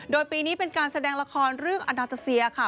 โดยปีนี้เป็นการแสดงละครเรื่องอนาตาเซียค่ะ